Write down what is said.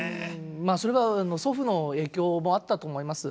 まあそれは祖父の影響もあったと思います。